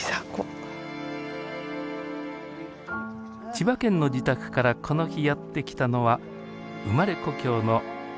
千葉県の自宅からこの日やって来たのは生まれ故郷の岩手県遠野市。